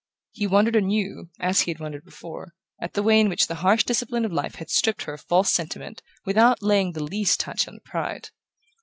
He wondered anew, as he had wondered before, at the way in which the harsh discipline of life had stripped her of false sentiment without laying the least touch on her pride.